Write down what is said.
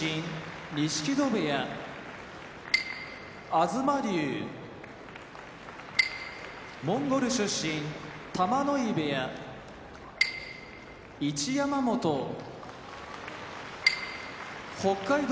東龍モンゴル出身玉ノ井部屋一山本北海道